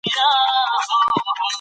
سترګې پټې کړه چې خپله باطني رڼا ووینې.